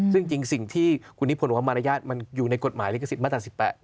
ซึ่งจริงสิ่งที่คุณนิพนธ์บอกว่ามารยาทมันอยู่ในกฎหมายลิขสิทธิมาตรา๑๘